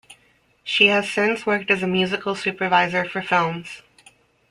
She has since worked as a musical supervisor for films.